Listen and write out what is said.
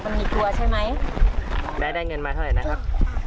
มันมีตัวใช่ไหมแล้วได้เงินมาเท่าไหร่นะครับ